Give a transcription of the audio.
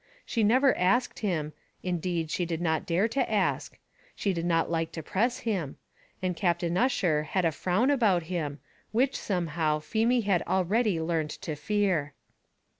She never asked him indeed, she did not dare to ask; she did not like to press him; and Captain Ussher had a frown about him, which, somehow, Feemy had already learnt to fear.